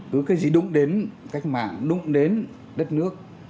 cứ cái gì đụng đến cách mạng đụng đến đất nước